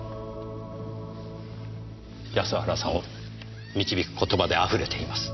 安原さんを導く言葉であふれています。